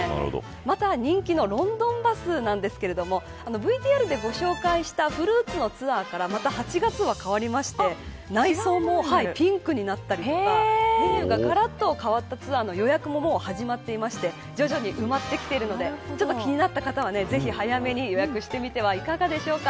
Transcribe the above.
また、人気のロンドンバスなんですがＶＴＲでご紹介したフルーツのツアーからまた８月は変わりまして内装もピンクになったりメニューが、がらっと変わったツアーの予約ももう始まっていて徐々に埋まってきているので気になった方は、ぜひ早めに予約してみてはいかがでしょうか。